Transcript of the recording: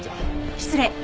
失礼。